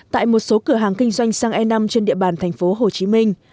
tại một số cửa hàng kinh doanh xăng e năm trên địa bàn thành phố hồ chí minh